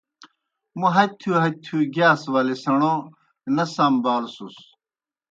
موْ ہت تِھیؤ ہت تِھیؤ گِیاس ولے سیْݨو نہ لمبالوْسُس۔